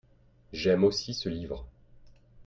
j'aime aussi ce livre.